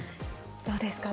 どうですか。